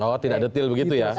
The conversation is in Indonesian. oh tidak detail begitu ya